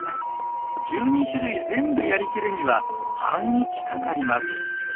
１２種類全部やりきるには半日かかります。